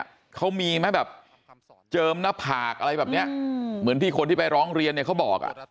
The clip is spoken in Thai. แล้วเขามีเจิมหน้าผากอะไรแบบนี้เหมือนพี่คนที่ไปร้องเรียนเขาบอก